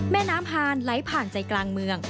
แม่น้ำฮานไหลผ่านใจกลางเมือง